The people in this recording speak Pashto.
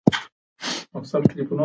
د نورو منل یوه مهمه اړتیا ده.